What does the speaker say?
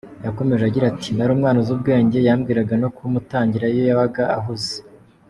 Yakomeje agira ati “Nari umwana uzi ubwenge yambwiraga no kuwumutangira iyo yabaga ahuze.